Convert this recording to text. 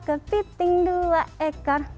keantung dua eator